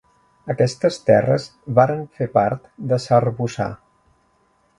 Aquestes terres varen fer part de s'Arboçar.